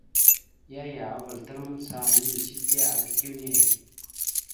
Yaya avəlatal mandzəha a mbiyez cici aka itew nehe.